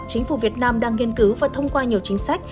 chính phủ việt nam đang nghiên cứu và thông qua nhiều chính sách